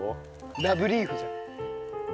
ラブ・リーフじゃない？